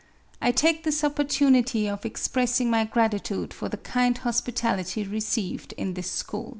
I take this opportunity of expressing my gratitude for the kind hospitality received in this school.